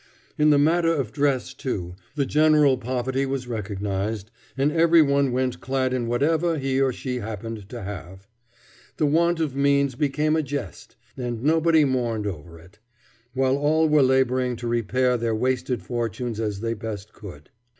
In the matter of dress, too, the general poverty was recognized, and every one went clad in whatever he or she happened to have. The want of means became a jest, and nobody mourned over it; while all were laboring to repair their wasted fortunes as they best could.